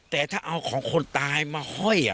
แต่ถ้าเอาของคนตายมาห้อย